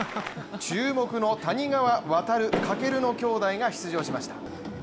注目の谷川航・翔の兄弟が出場しました。